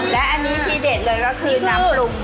และอันนี้ทีเด็ดเลยก็คือน้ำปรุง